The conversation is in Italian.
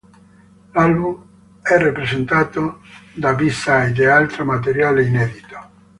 L'album è rappresentato da B-side e altro materiale inedito.